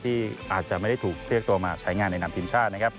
ที่อาจจะไม่ได้ถูกเรียกตัวมาใช้งานในนามทีมชาตินะครับ